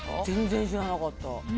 全然、知らなかった。